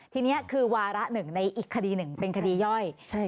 ทีนี้คือวาระหนึ่งในอีกคดีหนึ่งเป็นคดีย่อย